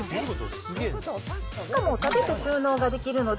しかも立てて収納ができるので、